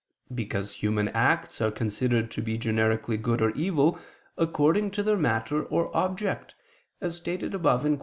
Because human acts are considered to be generically good or evil according to their matter or object, as stated above (Q.